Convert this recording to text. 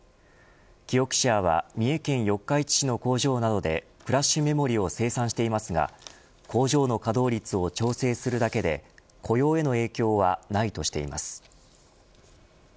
キオクシアは三重県四日市市の工場などでフラッシュメモリを生産していますが工場の稼働率を調整するだけで雇用への影響はないとしています。